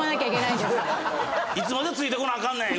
いつまでついてこなあかんねん！